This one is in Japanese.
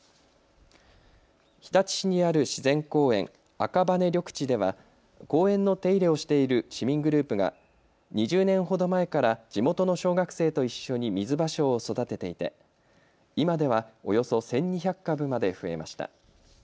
赤羽緑地では公園の手入れをしている市民グループが２０年ほど前から地元の小学生と一緒にミズバショウを育てていて今では、およそ１２００株まで増えました。